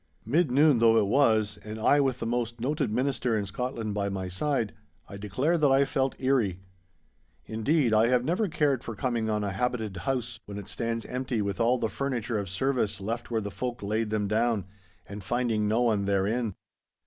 Mid noon though it was, and I with the most noted minister in Scotland by my side, I declare that I felt eerie. Indeed, I have never cared for coming on a habited house, when it stands empty with all the furniture of service left where the folk laid them down, and finding no one therein.